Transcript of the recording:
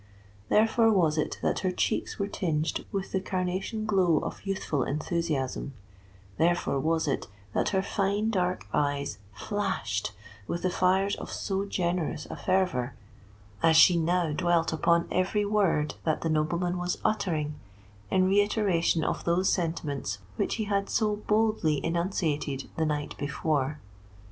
Therefore was it that her cheeks were tinged with the carnation glow of youthful enthusiasm: therefore was it that her fine dark eyes flashed with the fires of so generous a fervour, as she now dwelt upon every word that the nobleman was uttering in reiteration of those sentiments which he had so boldly enunciated the night before.